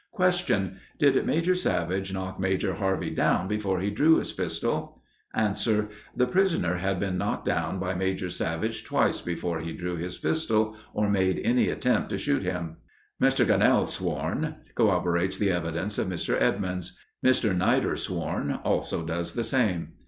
Question—Did Major Savage knock Major Harvey down before he drew his pistol? Answer—The prisoner had been knocked down by Major Savage twice before he drew his pistol, or made any attempt to shoot him. Mr. Gonele sworn—corroborates the evidence of Mr. Edmunds. Mr. Knider sworn, also does the same.